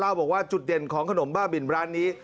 บอกว่าจุดเด่นของขนมบ้าบินร้านนี้